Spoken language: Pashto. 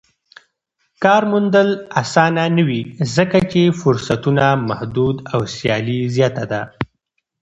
کار موندل اسانه نه وي ځکه چې فرصتونه محدود او سیالي زياته ده.